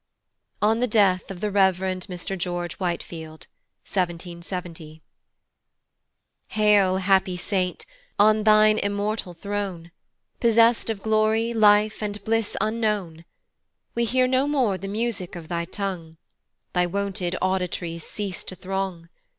On the Death of the Rev. Mr. GEORGE WHITEFIELD. 1770. HAIL, happy saint, on thine immortal throne, Possest of glory, life, and bliss unknown; We hear no more the music of thy tongue, Thy wonted auditories cease to throng.